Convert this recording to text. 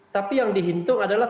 tapi yang dihitung adalah